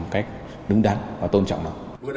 cách đúng đắn và tôn trọng nó